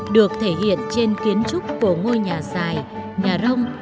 được thể hiện trên kiến trúc của ngôi nhà dài nhà rông